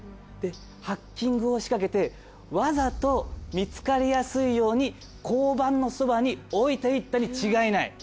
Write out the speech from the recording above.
ハッキングを仕掛けてわざと見つかりやすいように交番のそばに置いていったに違いない。